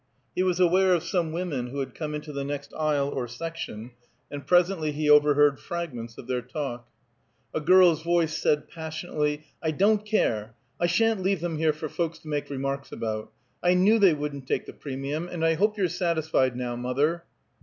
He was aware of some women who had come into the next aisle or section, and presently he overheard fragments of their talk. A girl's voice said passionately: "I don't care! I shan't leave them here for folks to make remarks about! I knew they wouldn't take the premium, and I hope you're satisfied now, mother."